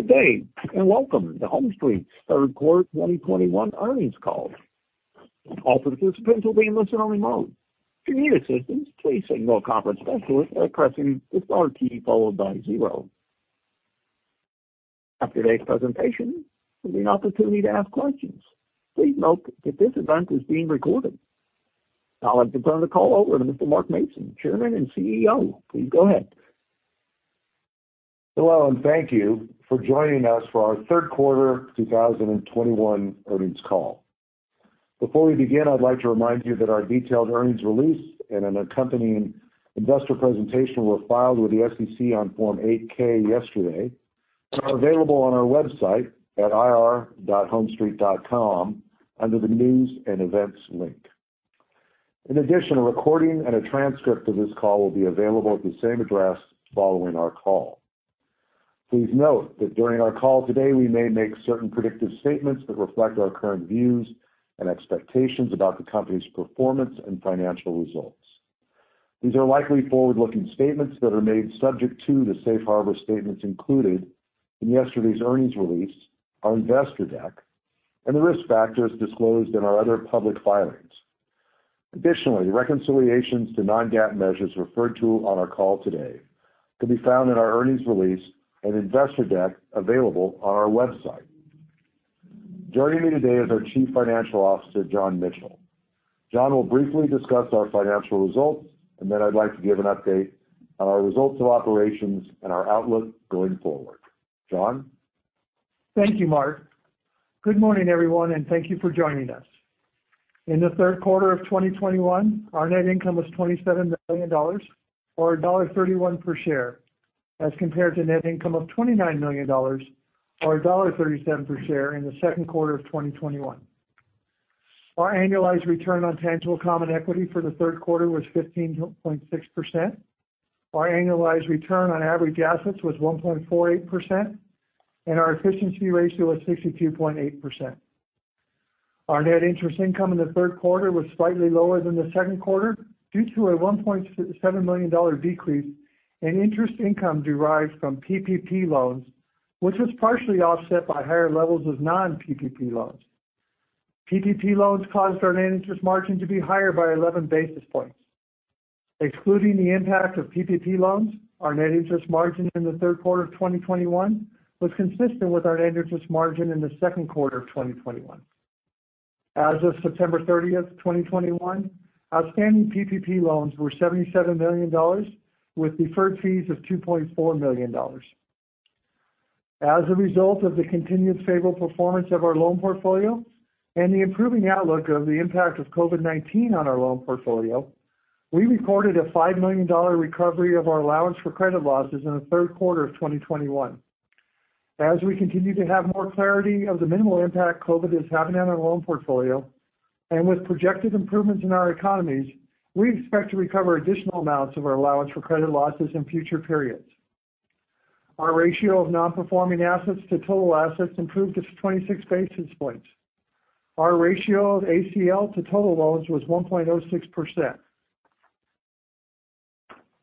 Good day, and welcome to HomeStreet's third quarter 2021 earnings call. Now I'd like to turn the call over to Mr. Mark Mason, Chairman and CEO. Please go ahead. Hello, and thank you for joining us for our third quarter 2021 earnings call. Before we begin, I'd like to remind you that our detailed earnings release and an accompanying investor presentation were filed with the SEC on Form 8-K yesterday and are available on our website at ir.homestreet.com under the News & Events link. In addition, a recording and a transcript of this call will be available at the same address following our call. Please note that during our call today, we may make certain predictive statements that reflect our current views and expectations about the company's performance and financial results. These are likely forward-looking statements that are made subject to the safe harbor statements included in yesterday's earnings release, our investor deck, and the risk factors disclosed in our other public filings. Additionally, reconciliations to non-GAAP measures referred to on our call today can be found in our earnings release and investor deck available on our website. Joining me today is our Chief Financial Officer, John Michel. John will briefly discuss our financial results, then I'd like to give an update on our results of operations and our outlook going forward. John? Thank you, Mark. Good morning, everyone, and thank you for joining us. In the third quarter of 2021, our net income was $27 million, or $1.31 per share, as compared to net income of $29 million, or $1.37 per share in the second quarter of 2021. Our annualized return on tangible common equity for the third quarter was 15.6%. Our annualized return on average assets was 1.48%, and our efficiency ratio was 62.8%. Our net interest income in the third quarter was slightly lower than the second quarter due to a $1.7 million decrease in interest income derived from PPP loans, which was partially offset by higher levels of non-PPP loans. PPP loans caused our net interest margin to be higher by 11 basis points. Excluding the impact of PPP loans, our net interest margin in the third quarter of 2021 was consistent with our net interest margin in the second quarter of 2021. As of September 30th, 2021, outstanding PPP loans were $77 million, with deferred fees of $2.4 million. As a result of the continued favorable performance of our loan portfolio and the improving outlook of the impact of COVID-19 on our loan portfolio, we recorded a $5 million recovery of our allowance for credit losses in the third quarter of 2021. As we continue to have more clarity of the minimal impact COVID is having on our loan portfolio, and with projected improvements in our economies, we expect to recover additional amounts of our allowance for credit losses in future periods. Our ratio of non-performing assets to total assets improved to 26 basis points. Our ratio of ACL to total loans was 1.06%.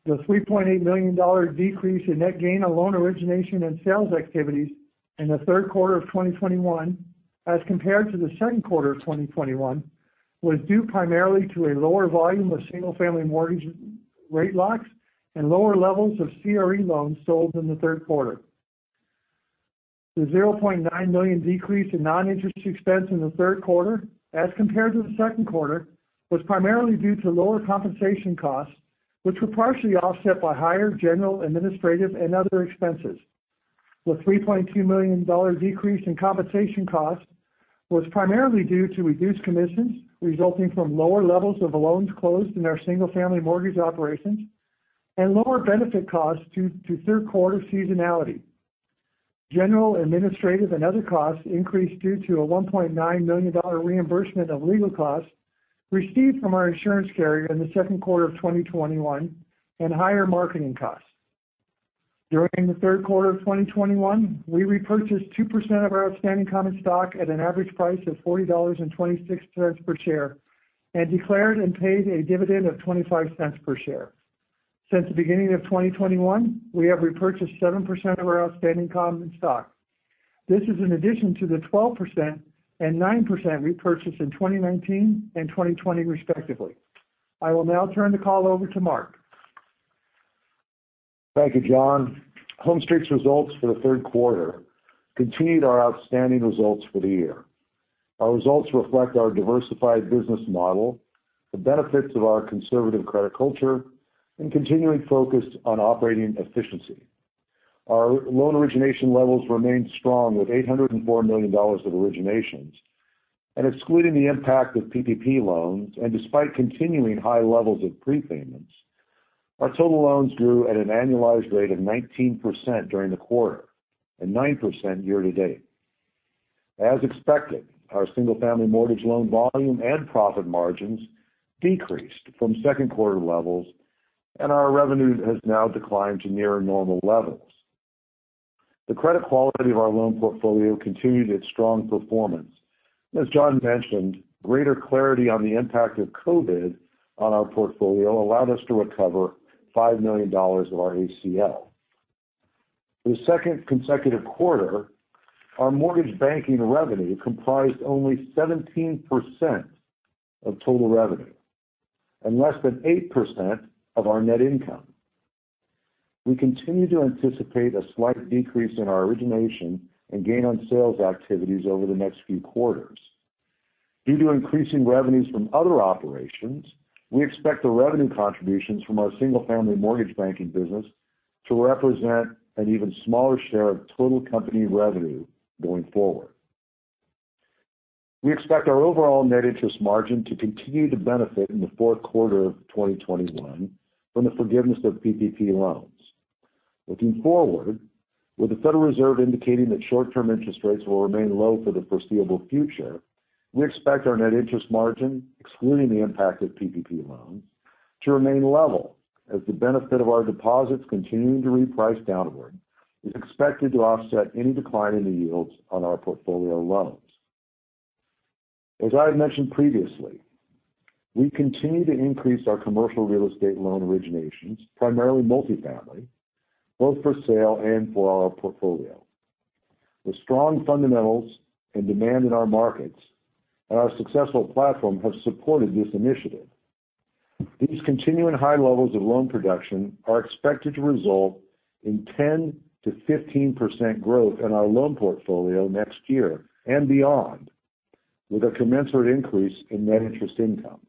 The $3.8 million decrease in net gain on loan origination and sales activities in the third quarter of 2021 as compared to the second quarter of 2021, was due primarily to a lower volume of single-family mortgage rate locks and lower levels of CRE loans sold in the third quarter. The $0.9 million decrease in non-interest expense in the third quarter as compared to the second quarter, was primarily due to lower compensation costs, which were partially offset by higher general, administrative and other expenses. The $3.2 million decrease in compensation costs was primarily due to reduced commissions resulting from lower levels of loans closed in our single-family mortgage operations and lower benefit costs due to third quarter seasonality. General, administrative and other costs increased due to a $1.9 million reimbursement of legal costs received from our insurance carrier in the second quarter of 2021 and higher marketing costs. During the third quarter of 2021, we repurchased 2% of our outstanding common stock at an average price of $40.26 per share and declared and paid a dividend of $0.25 per share. Since the beginning of 2021, we have repurchased 7% of our outstanding common stock. This is in addition to the 12% and 9% repurchase in 2019 and 2020, respectively. I will now turn the call over to Mark. Thank you, John. HomeStreet's results for the third quarter continued our outstanding results for the year. Our results reflect our diversified business model, the benefits of our conservative credit culture, and continuing focus on operating efficiency. Our loan origination levels remained strong with $804 million of originations. Excluding the impact of PPP loans, and despite continuing high levels of prepayments, our total loans grew at an annualized rate of 19% during the quarter and 9% year to date. As expected, our single-family mortgage loan volume and profit margins decreased from second quarter levels, and our revenue has now declined to near normal levels. The credit quality of our loan portfolio continued its strong performance. As John mentioned, greater clarity on the impact of COVID on our portfolio allowed us to recover $5 million of our ACL. For the second consecutive quarter, our mortgage banking revenue comprised only 17% of total revenue and less than 8% of our net income. We continue to anticipate a slight decrease in our origination and gain on sales activities over the next few quarters. Due to increasing revenues from other operations, we expect the revenue contributions from our single-family mortgage banking business to represent an even smaller share of total company revenue going forward. We expect our overall net interest margin to continue to benefit in the fourth quarter of 2021 from the forgiveness of PPP loans. Looking forward, with the Federal Reserve indicating that short-term interest rates will remain low for the foreseeable future, we expect our net interest margin, excluding the impact of PPP loans, to remain level as the benefit of our deposits continuing to reprice downward is expected to offset any decline in the yields on our portfolio loans. As I had mentioned previously, we continue to increase our commercial real estate loan originations, primarily multifamily, both for sale and for our portfolio. The strong fundamentals and demand in our markets and our successful platform have supported this initiative. These continuing high levels of loan production are expected to result in 10%-15% growth in our loan portfolio next year and beyond, with a commensurate increase in net interest income.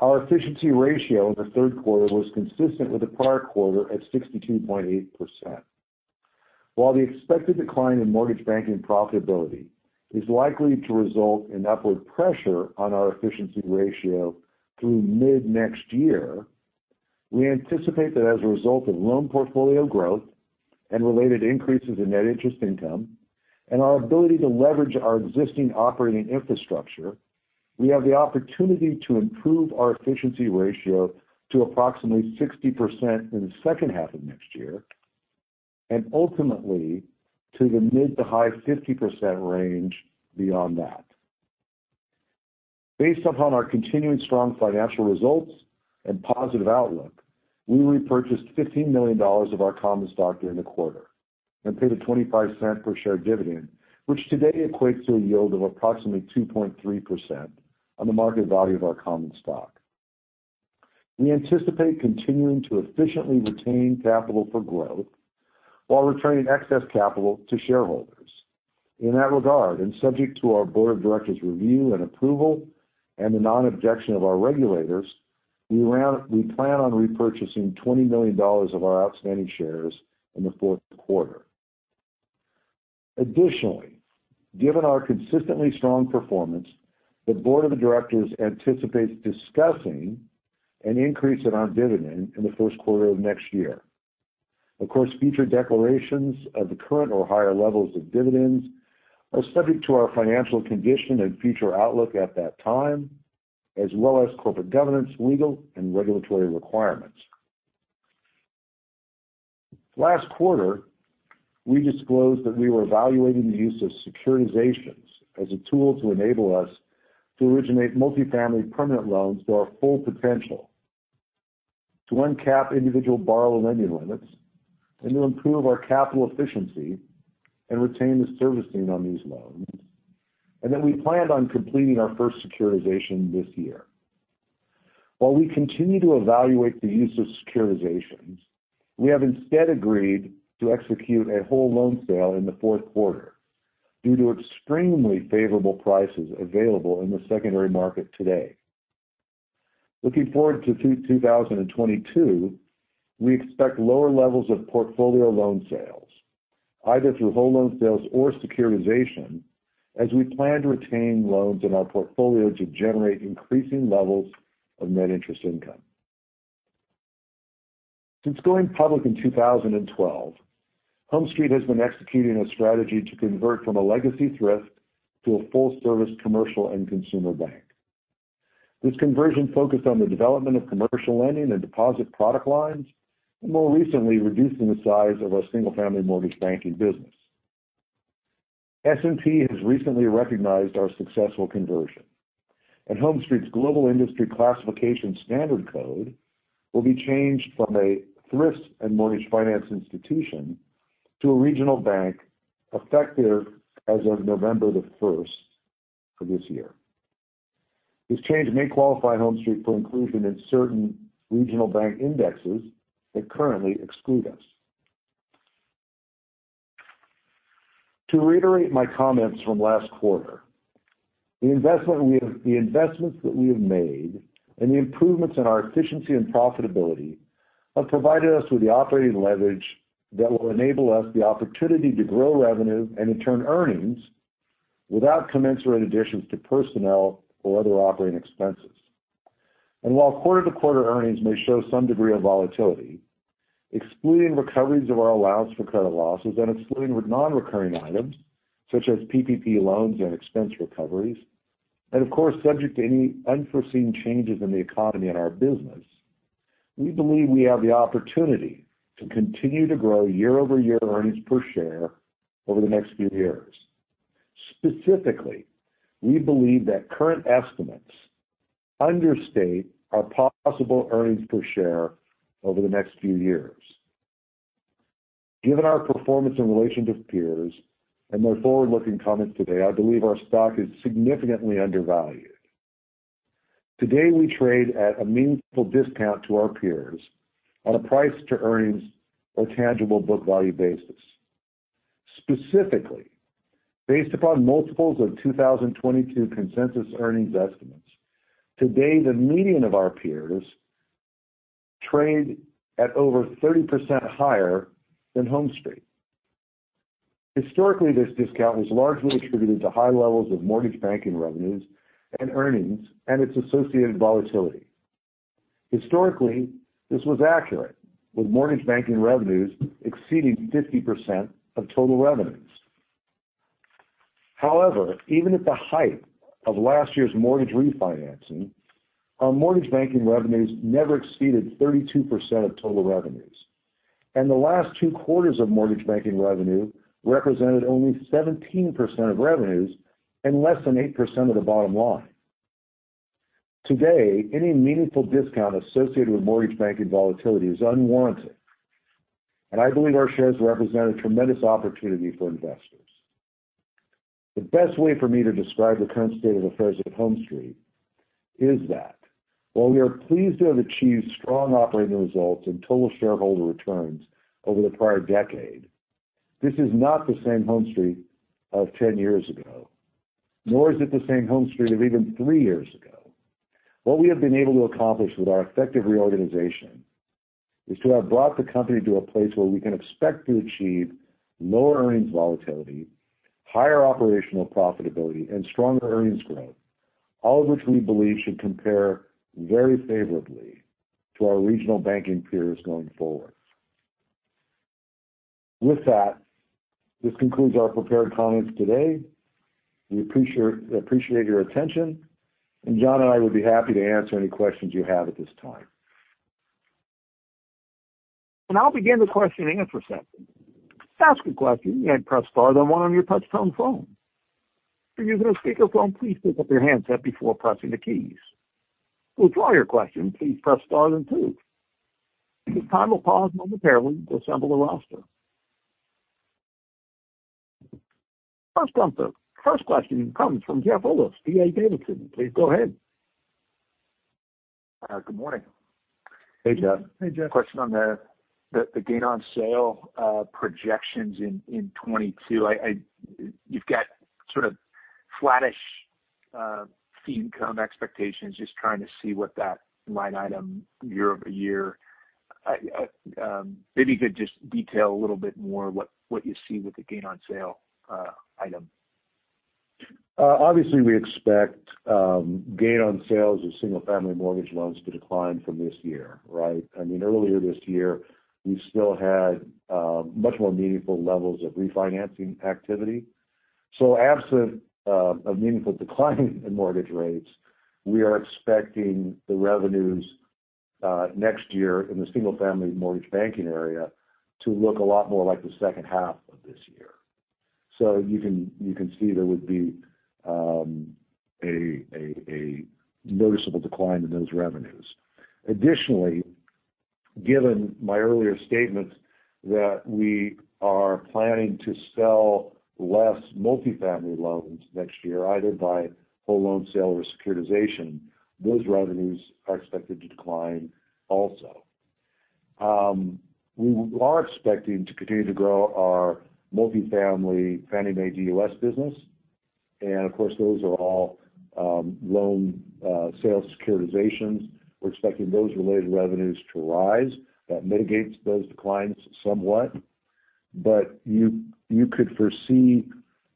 Our efficiency ratio in the third quarter was consistent with the prior quarter at 62.8%. While the expected decline in mortgage banking profitability is likely to result in upward pressure on our efficiency ratio through mid-next year, we anticipate that as a result of loan portfolio growth and related increases in net interest income and our ability to leverage our existing operating infrastructure, we have the opportunity to improve our efficiency ratio to approximately 60% in the second half of next year and ultimately to the mid to high 50% range beyond that. Based upon our continuing strong financial results and positive outlook, we repurchased $15 million of our common stock during the quarter and paid a $0.25 per share dividend, which today equates to a yield of approximately 2.3% on the market value of our common stock. We anticipate continuing to efficiently retain capital for growth while returning excess capital to shareholders. In that regard, subject to our board of directors' review and approval and the non-objection of our regulators, we plan on repurchasing $20 million of our outstanding shares in the fourth quarter. Additionally, given our consistently strong performance, the board of directors anticipates discussing an increase in our dividend in the first quarter of next year. Of course, future declarations of the current or higher levels of dividends are subject to our financial condition and future outlook at that time, as well as corporate governance, legal, and regulatory requirements. Last quarter, we disclosed that we were evaluating the use of securitizations as a tool to enable us to originate multifamily permanent loans to our full potential, to uncap individual borrower lending limits, and to improve our capital efficiency and retain the servicing on these loans, and that we planned on completing our first securitization this year. While we continue to evaluate the use of securitizations, we have instead agreed to execute a whole loan sale in the fourth quarter due to extremely favorable prices available in the secondary market today. Looking forward to 2022, we expect lower levels of portfolio loan sales, either through whole loan sales or securitization, as we plan to retain loans in our portfolio to generate increasing levels of net interest income. Since going public in 2012, HomeStreet has been executing a strategy to convert from a legacy thrift to a full-service commercial and consumer bank. This conversion focused on the development of commercial lending and deposit product lines, and more recently, reducing the size of our single-family mortgage banking business. S&P has recently recognized our successful conversion. HomeStreet's Global Industry Classification Standard code will be changed from a thrift and mortgage finance institution to a regional bank effective as of November the 1st for this year. This change may qualify HomeStreet for inclusion in certain regional bank indexes that currently exclude us. To reiterate my comments from last quarter, the investments that we have made and the improvements in our efficiency and profitability have provided us with the operating leverage that will enable us the opportunity to grow revenue and, in turn, earnings without commensurate additions to personnel or other operating expenses. While quarter-to-quarter earnings may show some degree of volatility, excluding recoveries of our allowance for credit losses and excluding non-recurring items, such as PPP loans and expense recoveries, and of course, subject to any unforeseen changes in the economy and our business. We believe we have the opportunity to continue to grow year-over-year earnings per share over the next few years. Specifically, we believe that current estimates understate our possible earnings per share over the next few years. Given our performance in relation to peers and my forward-looking comments today, I believe our stock is significantly undervalued. Today, we trade at a meaningful discount to our peers on a price-to-earnings or tangible book value basis. Specifically, based upon multiples of 2022 consensus earnings estimates, today, the median of our peers trade at over 30% higher than HomeStreet. Historically, this discount was largely attributed to high levels of mortgage banking revenues and earnings, and its associated volatility. Historically, this was accurate, with mortgage banking revenues exceeding 50% of total revenues. However, even at the height of last year's mortgage refinancing, our mortgage banking revenues never exceeded 32% of total revenues. The last two quarters of mortgage banking revenue represented only 17% of revenues and less than 8% of the bottom line. Today, any meaningful discount associated with mortgage banking volatility is unwanted. I believe our shares represent a tremendous opportunity for investors. The best way for me to describe the current state of affairs at HomeStreet is that while we are pleased to have achieved strong operating results and total shareholder returns over the prior decade, this is not the same HomeStreet of 10 years ago, nor is it the same HomeStreet of even three years ago. What we have been able to accomplish with our effective reorganization is to have brought the company to a place where we can expect to achieve lower earnings volatility, higher operational profitability, and stronger earnings growth, all of which we believe should compare very favorably to our regional banking peers going forward. With that, this concludes our prepared comments today. We appreciate your attention, and John and I would be happy to answer any questions you have at this time. I'll begin the question and answer session. To ask a question, you press star then one on your touchtone phone. If you're using a speakerphone, please pick up your handset before pressing the keys. To withdraw your question, please press star then two. The time will pause momentarily to assemble the roster. First question comes from Jeff Rulis, D.A. Davidson. Please go ahead. Good morning. Hey, Jeff. Hey, Jeff. Question on the gain on sale projections in 2022. You've got sort of flattish fee income expectations, just trying to see what that line item year-over-year. Maybe you could just detail a little bit more what you see with the gain on sale item. Obviously, we expect gain on sales of single-family mortgage loans to decline from this year, right? Earlier this year, we still had much more meaningful levels of refinancing activity. Absent a meaningful decline in mortgage rates, we are expecting the revenues next year in the single-family mortgage banking area to look a lot more like the second half of this year. You can see there would be a noticeable decline in those revenues. Additionally, given my earlier statements that we are planning to sell less multifamily loans next year, either by whole loan sale or securitization, those revenues are expected to decline also. We are expecting to continue to grow our multifamily Fannie Mae DUS business. Of course, those are all loan sales securitizations. We're expecting those related revenues to rise. That mitigates those declines somewhat. You could foresee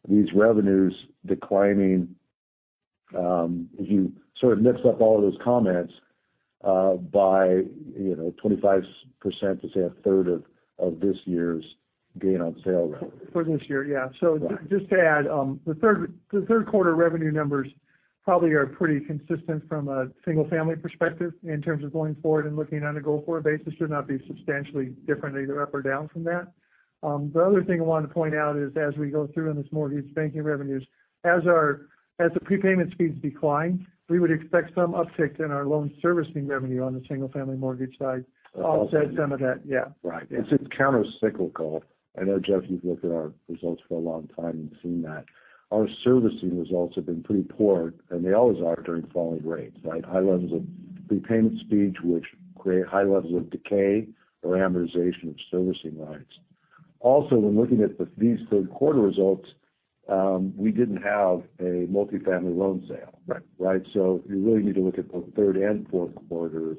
these revenues declining if you sort of mix up all of those comments by 25% to say a third of this year's gain on sale revenue. For this year, yeah. Right. Just to add, the third quarter revenue numbers probably are pretty consistent from a single-family perspective in terms of going forward and looking on a go-forward basis should not be substantially different either up or down from that. The other thing I wanted to point out is as we go through in this mortgage banking revenues, as the prepayment speeds decline, we would expect some uptick in our loan servicing revenue on the single-family mortgage side to offset some of that. Yeah. Right. It's countercyclical. I know, Jeff, you've looked at our results for a long time and seen that. Our servicing results have been pretty poor, and they always are during falling rates, right? High levels of prepayment speeds which create high levels of decay or amortization of servicing lines. When looking at these third quarter results, we didn't have a multifamily loan sale. Right. Right? You really need to look at both third and fourth quarters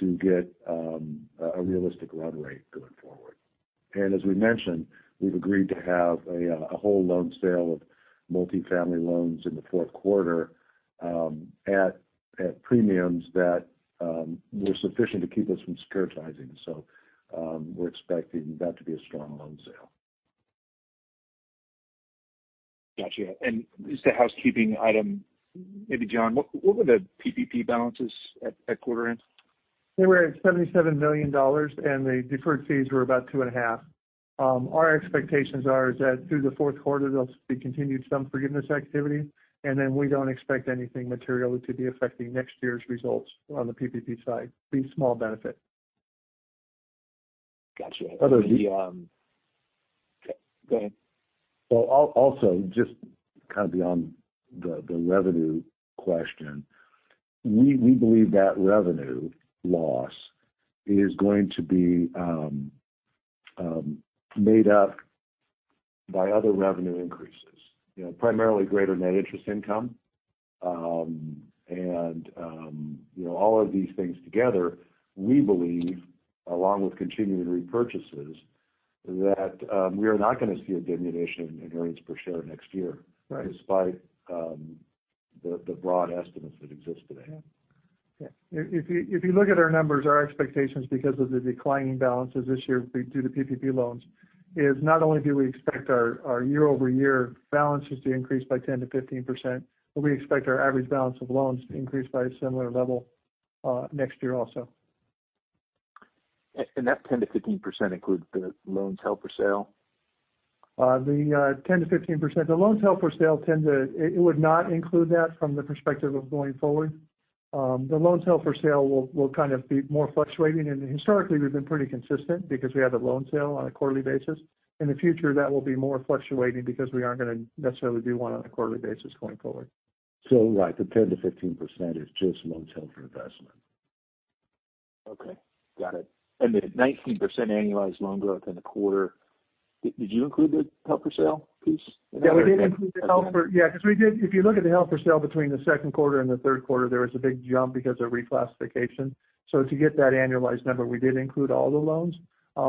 to get a realistic run rate going forward. As we mentioned, we've agreed to have a whole loan sale of multifamily loans in the fourth quarter at premiums that were sufficient to keep us from securitizing. We're expecting that to be a strong loan sale. Got you. Just a housekeeping item. Maybe John, what were the PPP balances at quarter end? They were at $77 million. The deferred fees were about two and a half. Our expectations are that through the fourth quarter there'll be continued some forgiveness activity. We don't expect anything material to be affecting next year's results on the PPP side. It will be a small benefit. Got you. Other- Okay, go ahead. Also just kind of beyond the revenue question. We believe that revenue loss is going to be made up by other revenue increases. Primarily greater net interest income. And all of these things together, we believe, along with continuing repurchases, that we are not going to see a diminution in earnings per share next year. Right despite the broad estimates that exist today. Yeah. If you look at our numbers, our expectations, because of the declining balances this year due to PPP loans, is not only do we expect our year-over-year balances to increase by 10%-15%, but we expect our average balance of loans to increase by a similar level next year also. That 10%-15% includes the loans held for sale? The 10% to 15%, the loans held for sale it would not include that from the perspective of going forward. The loans held for sale will kind of be more fluctuating. Historically, we've been pretty consistent because we had the loan sale on a quarterly basis. In the future, that will be more fluctuating because we aren't going to necessarily do one on a quarterly basis going forward. Right, the 10%-15% is just loans held for investment. Okay, got it. The 19% annualized loan growth in the quarter, did you include the held for sale piece? Yeah, because if you look at the held for sale between the second quarter and the third quarter, there was a big jump because of reclassification. To get that annualized number, we did include all the loans.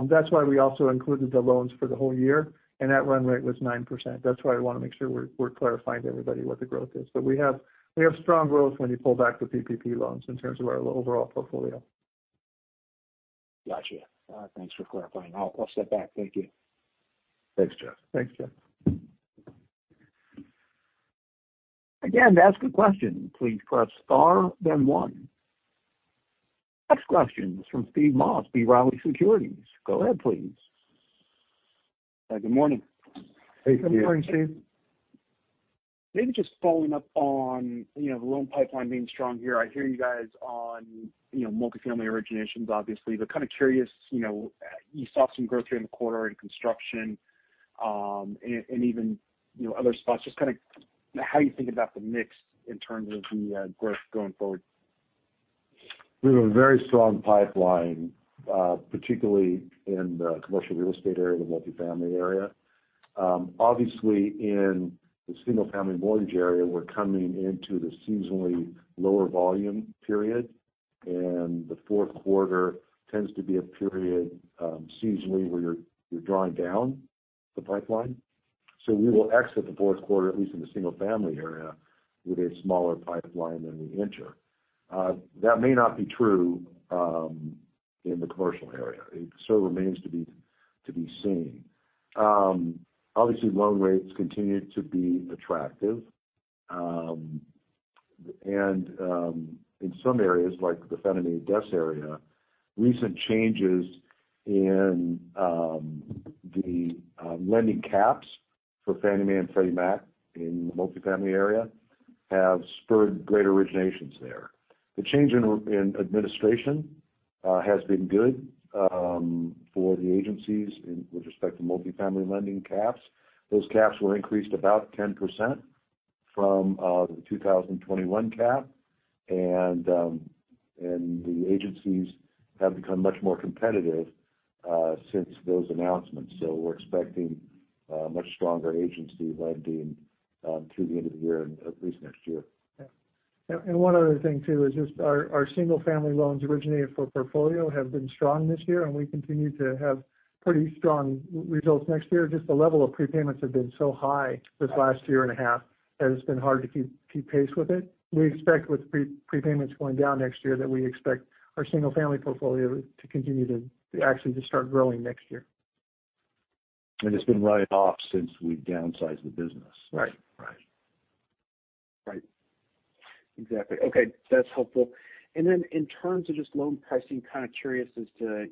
That's why we also included the loans for the whole year. That run rate was 9%. That's why I want to make sure we're clarifying to everybody what the growth is. We have strong growth when you pull back the PPP loans in terms of our overall portfolio. Got you. Thanks for clarifying. I'll step back. Thank you. Thanks, Jeff. Thanks, Jeff. Again, to ask a question, please press star, then one. Next question is from Steve Moss, B. Riley Securities. Go ahead, please. Good morning. Hey, Steve. Good morning, Steve. Maybe just following up on the loan pipeline being strong here. I hear you guys on multifamily originations, obviously. Kind of curious, you saw some growth here in the quarter in construction, and even other spots. Just kind of how you think about the mix in terms of the growth going forward? We have a very strong pipeline, particularly in the commercial real estate area, the multifamily area. Obviously, in the single-family mortgage area, we're coming into the seasonally lower volume period. The fourth quarter tends to be a period seasonally where you're drawing down the pipeline. We will exit the fourth quarter, at least in the single-family area, with a smaller pipeline than we enter. That may not be true in the commercial area. It still remains to be seen. Obviously, loan rates continue to be attractive. In some areas like the Fannie Mae DUS area, recent changes in the lending caps for Fannie Mae and Freddie Mac in the multifamily area have spurred greater originations there. The change in administration has been good for the agencies with respect to multifamily lending caps. Those caps were increased about 10% from the 2021 cap. The agencies have become much more competitive since those announcements. We're expecting much stronger agency lending through the end of the year and at least next year. Yeah. One other thing, too, is just our single-family loans originated for portfolio have been strong this year, and we continue to have pretty strong results next year. Just the level of prepayments have been so high this last year and a half that it's been hard to keep pace with it. We expect with prepayments going down next year that we expect our single-family portfolio to continue to actually just start growing next year. It's been running off since we downsized the business. Right. Right. Exactly. Okay, that's helpful. In terms of just loan pricing, kind of curious as to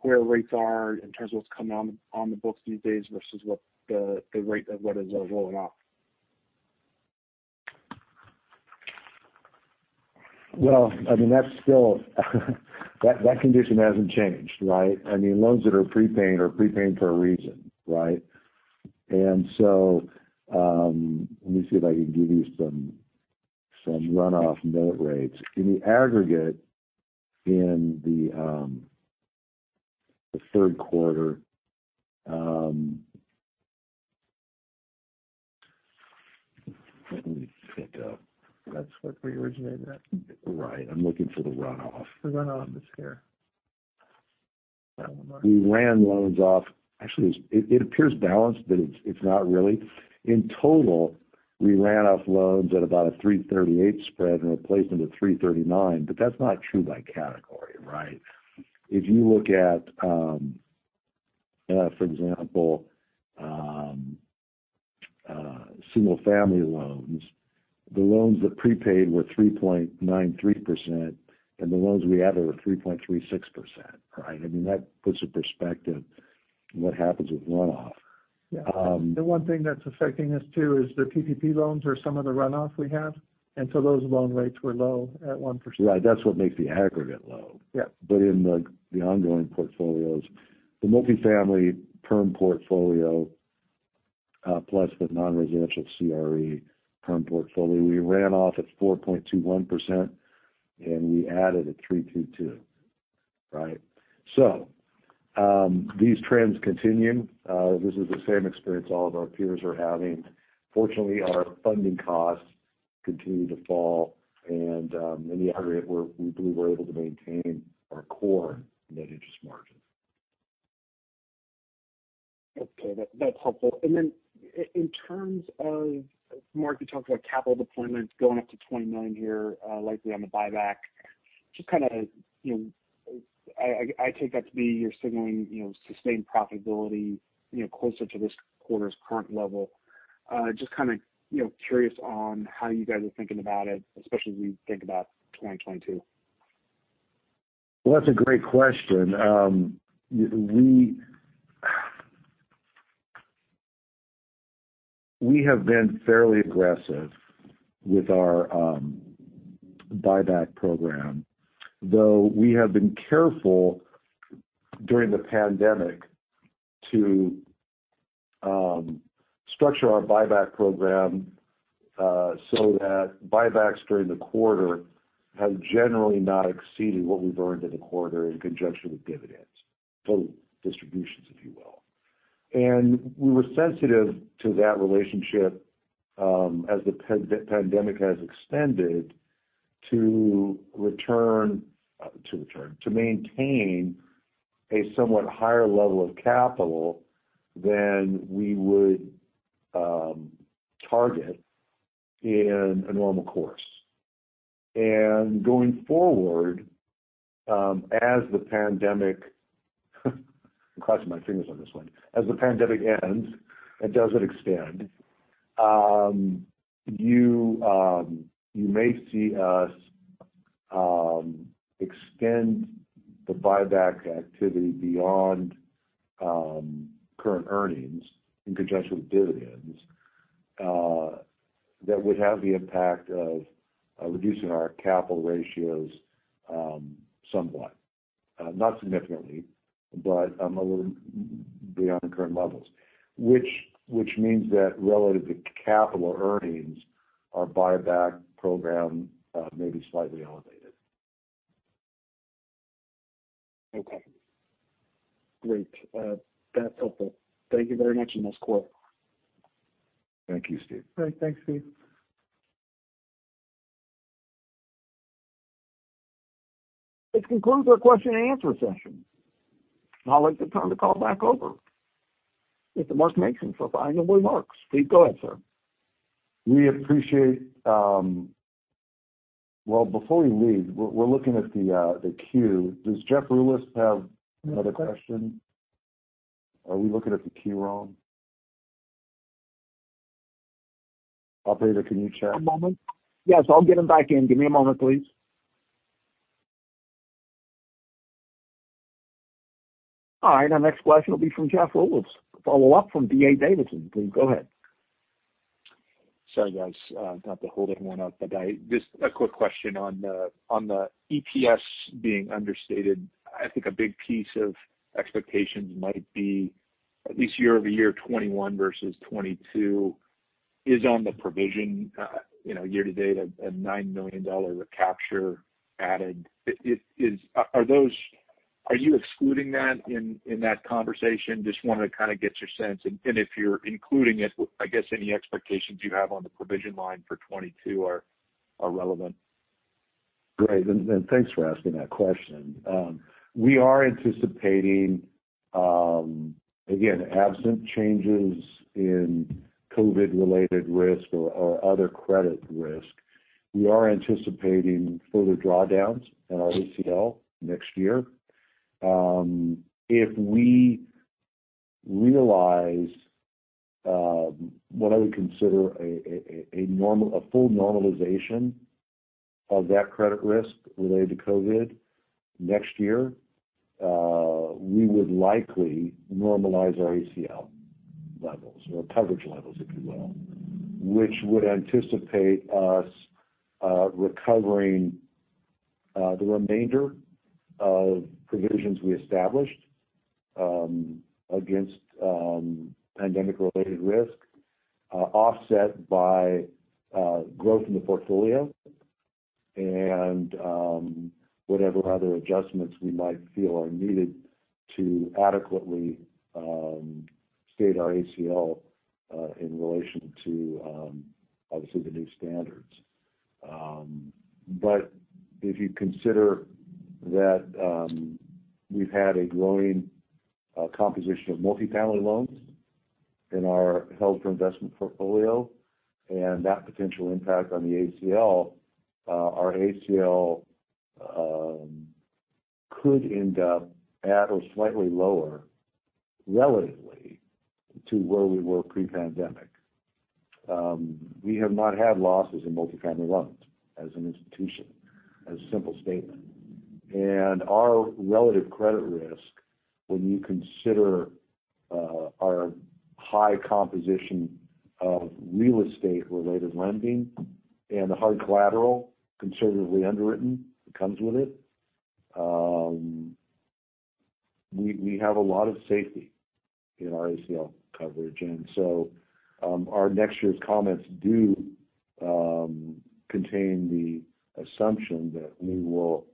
where rates are in terms of what's coming on the books these days versus what the rate of what is rolling off. Well, that condition hasn't changed, right? I mean, loans that are prepaid are prepaid for a reason, right? Let me see if I can give you some runoff note rates. In the aggregate in the third quarter, let me pick up. That's what we originated at. Right. I'm looking for the runoff. The runoff is here. That one. We ran loans off. Actually, it appears balanced, but it's not really. In total, we ran off loans at about a 338 spread and replaced them with 339. That's not true by category, right? If you look at, for example, single-family loans, the loans that prepaid were 3.93%, and the loans we added were 3.36%. I mean, that puts in perspective what happens with runoff. Yeah. The one thing that's affecting us too is the PPP loans are some of the runoff we have, and so those loan rates were low at 1%. Right. That's what makes the aggregate low. Yeah. In the ongoing portfolios, the multifamily term portfolio, plus the non-residential CRE term portfolio, we ran off at 4.21%, and we added at 3.22%, right? So these trends continue. This is the same experience all of our peers are having. Fortunately, our funding costs continue to fall, and in the aggregate, we believe we're able to maintain our core net interest margin. Okay. That's helpful. In terms of, Mark, you talked about capital deployment going up to 29 here, likely on the buyback. I take that to mean you're signaling sustained profitability closer to this quarter's current level. Just curious on how you guys are thinking about it, especially as we think about 2022. Well, that's a great question. We have been fairly aggressive with our buyback program, though we have been careful during the pandemic to structure our buyback program so that buybacks during the quarter have generally not exceeded what we've earned in the quarter in conjunction with dividends. Total distributions, if you will. We were sensitive to that relationship as the pandemic has extended, to maintain a somewhat higher level of capital than we would target in a normal course. Going forward, as the pandemic, I'm crossing my fingers on this one. As the pandemic ends and doesn't extend, you may see us extend the buyback activity beyond current earnings in conjunction with dividends. That would have the impact of reducing our capital ratios somewhat. Not significantly, but a little beyond current levels. Which means that relative to capital earnings, our buyback program may be slightly elevated. Okay. Great. That's helpful. Thank you very much and a nice quarter. Thank you, Steve. Great. Thanks, Steve. This concludes our question and answer session. I'd like to turn the call back over to Mark Mason for final remarks. Please, go ahead, sir. Well, before we leave, we're looking at the queue. Does Jeff Rulis have another question? Are we looking at the queue wrong? Operator, can you check? One moment. Yes, I'll get him back in. Give me a moment, please. Our next question will be from Jeff Rulis, a follow-up from D.A. Davidson. Please go ahead. Sorry, guys. Not to hold anyone up, but just a quick question on the EPS being understated. I think a big piece of expectations might be at least year-over-year 2021 versus 2022 is on the provision year to date, a $9 million recapture added. Are you excluding that in that conversation? Just wanted to kind of get your sense. If you're including it, I guess any expectations you have on the provision line for 2022 are relevant. Great. Thanks for asking that question. We are anticipating, again, absent changes in COVID-19-related risk or other credit risk. We are anticipating further drawdowns in our ACL next year. If we realize what I would consider a full normalization of that credit risk related to COVID-19 next year, we would likely normalize our ACL levels or coverage levels, if you will, which would anticipate us recovering the remainder of provisions we established against pandemic-related risk offset by growth in the portfolio and whatever other adjustments we might feel are needed to adequately state our ACL in relation to obviously the new standards. If you consider that we've had a growing composition of multifamily loans in our held for investment portfolio and that potential impact on the ACL, our ACL could end up at or slightly lower relatively to where we were pre-pandemic. We have not had losses in multifamily loans as an institution, as a simple statement. Our relative credit risk, when you consider our high composition of real estate-related lending and the hard collateral conservatively underwritten that comes with it, we have a lot of safety in our ACL coverage. Our next year's comments do contain the assumption that we will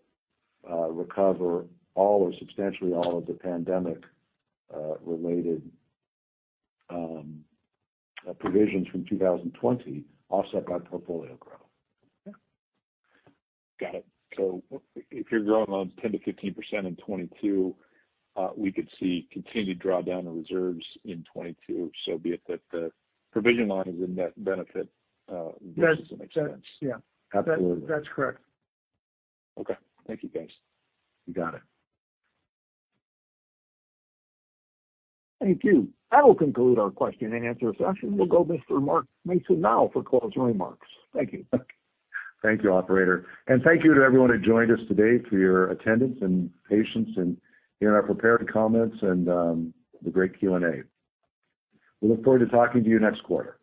recover all or substantially all of the pandemic-related provisions from 2020 offset by portfolio growth. Got it. If you're growing loans 10%-15% in 2022, we could see continued drawdown of reserves in 2022, so be it that the provision line is a net benefit versus an expense. Yeah. Absolutely. That's correct. Okay. Thank you, guys. You got it. Thank you. That will conclude our question and answer session. We'll go to Mr. Mark Mason now for closing remarks. Thank you. Thank you, operator. Thank you to everyone who joined us today for your attendance and patience and hearing our prepared comments and the great Q&A. We look forward to talking to you next quarter.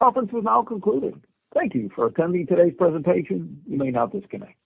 Conference is now concluded. Thank you for attending today's presentation. You may now disconnect.